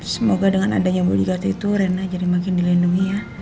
semoga dengan adanya bodyguard itu reina jadi makin dilindungi ya